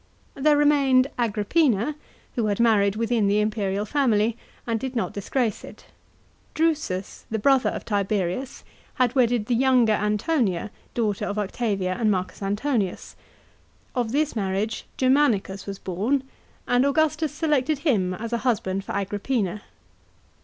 There remained Agrippina, who had married within the imperial family, and did not disgrace it. Drusus, the brother of Tiberius, had wedded the younger Antonia, daughter of Octavia and M. Antonius. Of this marriage Germanicus was born, and Augustus selected him as a husband for Agrippina.